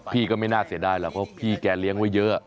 พี่ก็ไม่น่าเสียดายหรอกเพราะพี่แกเลี้ยงไว้เยอะ